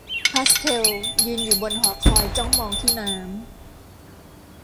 พาสเทลยืนอยู่บนหอคอยจ้องมองที่น้ำ